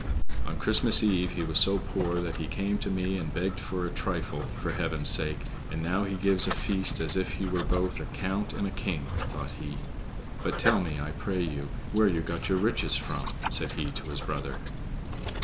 "On Christmas eve he was so poor that he came to me and begged for a trifle, for Heaven's sake, and now he gives a feast as if he were both a count and a king!" thought he. "But tell me, I pray you, where you got your riches from?" said he to his brother.